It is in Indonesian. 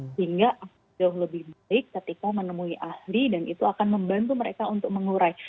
sehingga jauh lebih baik ketika menemui ahli dan itu akan membantu mereka untuk mengurai